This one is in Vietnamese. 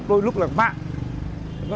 đôi lúc là mạng